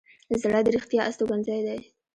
زړه د رښتیا استوګنځی دی.